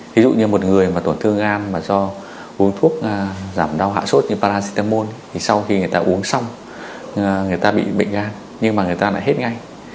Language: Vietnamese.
ví dụ như một người mà tổn thương gan mà do uống thuốc giảm đau hạ sốt như parastemone thì sau khi người ta uống xong người ta bị bệnh gan nhưng mà người ta lại hết ngay